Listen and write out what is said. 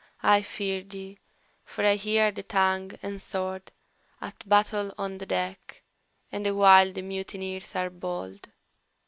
I fear thee, for I hear the tongue and sword At battle on the deck, and the wild mutineers are bold!